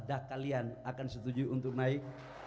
dah kalian akan setuju untuk naik